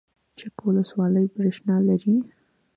چک ولسوالۍ بریښنا لري؟